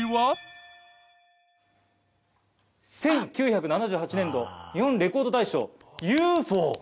「１９７８年度日本レコード大賞『ＵＦＯ』」。